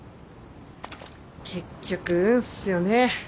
結局運っすよね